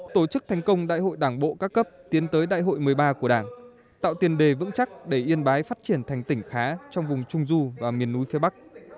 tổ chức thành công đại hội đảng bộ các cấp tiến tới đại hội một mươi ba của đảng tạo tiền đề vững chắc để yên bái phát triển thành tỉnh khá trong vùng trung du và miền núi phía bắc